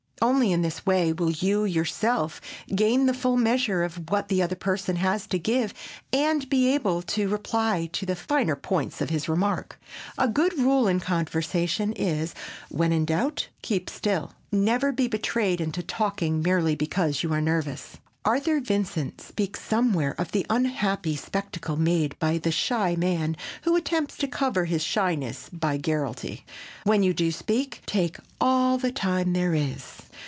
Only in this way will you yourself gain the full measure of what the other person has to give and be able to reply to the finer points of his remark. A good rule in conversation is "when in doubt keep still." Never be betrayed into talking merely because you are nervous. Arthur Vincent speaks somewhere of the unhappy spectacle made by the shy man who attempts to cover his shyness by garrulity. When you do speak, take all the time there is.